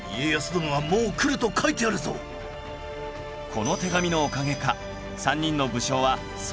この手紙のおかげか３人の武将はその後大活躍